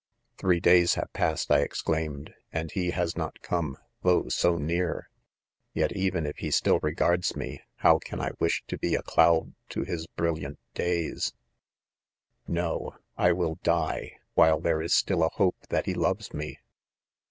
•' w '__•,'" i Three days have passed, 1 exclaimed, and he has" not come, though so near! Yet, even if he still regards me, how can i wish to be a cloud to his brilliant days 1 « Q No ! I will die, while there is still a hope that he loves me